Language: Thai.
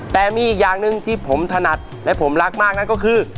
แต่มีอีกอย่างหนึ่งที่ผมถนัดและผมรักมากนั่นก็คือ